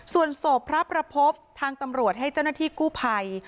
ส่วนศพพระประพบทางตำรวจให้เจ้าหน้าที่กู้ภัย